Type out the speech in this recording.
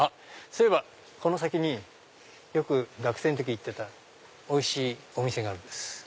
そういえばこの先によく学生の時に行ってたおいしいお店があるんです。